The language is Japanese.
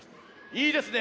いいですね。